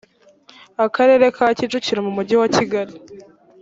akarere ka kicukiro mu mujyi wa kigali